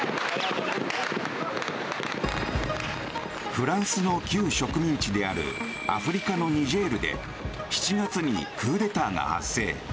フランスの旧植民地であるアフリカのニジェールで７月にクーデターが発生。